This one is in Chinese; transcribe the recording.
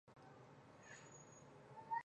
律令制下将之分为从七位上和从七位下。